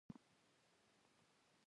د انسان د ذهن ځواک بېپایه دی.